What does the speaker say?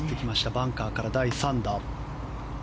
バンカーから第３打。